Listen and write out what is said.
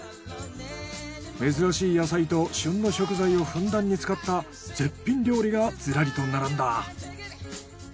珍しい野菜と旬の食材をふんだんに使った絶品料理がずらりと並んだ。